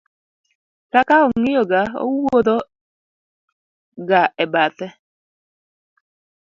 ka ka ong'iyo ga owuodho ga e bathe